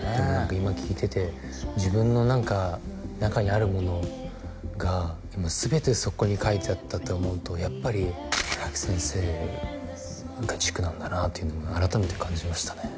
今聞いてて自分の何か中にあるものが今全てそこに書いてあったと思うとやっぱり荒木先生が軸なんだなっていうのが改めて感じましたね